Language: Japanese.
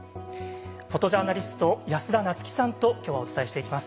フォトジャーナリスト安田菜津紀さんと今日はお伝えしていきます。